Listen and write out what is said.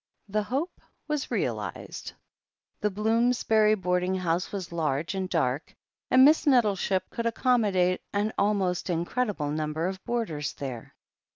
The hope was realized. The Bloomsbury boarding house was large and dark, and Miss Nettleship could accommodate an almost in credible number of boarders there.